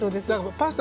パスタ